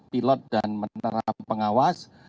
pilot dan menara pengawas